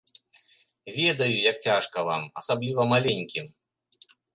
Ведаю, як цяжка вам, асабліва маленькім.